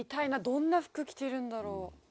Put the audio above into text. どんな服着てるんだろう？